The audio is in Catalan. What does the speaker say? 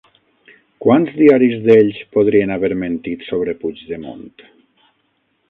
Quants diaris d'ells podrien haver mentit sobre Puigdemont?